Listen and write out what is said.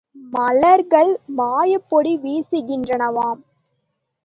மலர்கள் மாயப் பொடி வீசுகின்றனவாம்.